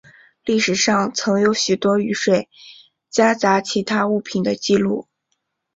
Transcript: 历史上曾有许多雨水夹杂其他物品的记录。